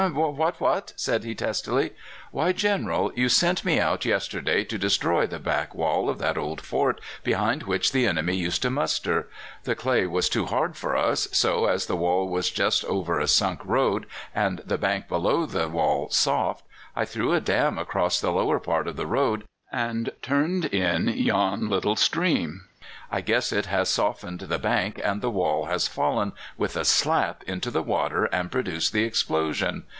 what! what!' said he testily. "'Why, General, you sent me out yesterday to destroy the back wall of that old fort behind which the enemy used to muster. The clay was too hard for us, so, as the wall was just over a sunk road, and the bank below the wall soft, I threw a dam across the lower part of the road and turned in yon little stream. I guess it has softened the bank, and the wall has fallen with a slap into the water and produced the explosion.